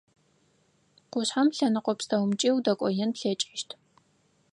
Къушъхьэм лъэныкъо пстэумкӏи удэкӏоен плъэкӏыщт.